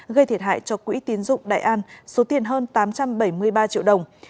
gây thiệt hại cho quỹ tiến dụng đại an số tiền hơn tám trăm bảy mươi ba triệu đồng